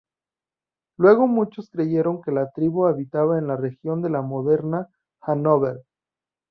Luego muchos creyeron que la tribu habitaba en la región de la moderna Hannover.